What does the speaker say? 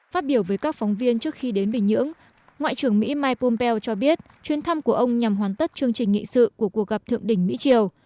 phát biểu với các phóng viên trước khi đến bình nhưỡng ngoại trưởng mỹ mike pompeo cho biết chuyến thăm của ông nhằm hoàn tất chương trình nghị sự của cuộc gặp thượng đỉnh mỹ triều